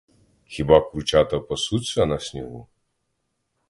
Хіба курчата пасуться на снігу?